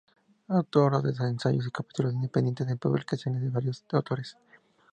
Autora de ensayos o capítulos independientes en publicaciones de varios autores.